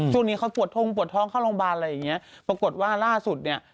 ช่วงนี้เขาปวดท้องปวดท้องเข้าโรงพยาบาลอะไรอย่างเงี้ยปรากฏว่าล่าสุดเนี่ย